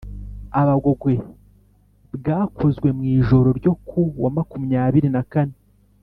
abagogwe bwakozwe mu ijoro ryo ku wa makumyabiri na kane